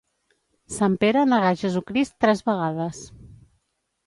Sant Pere negà Jesucrist tres vegades.